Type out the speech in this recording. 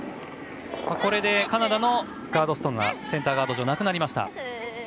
これでカナダのガードストーンがセンターガード上なくなりました。